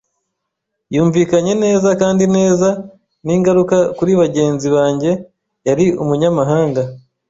yumvikanye neza kandi neza; n'ingaruka kuri bagenzi banjye yari umunyamahanga.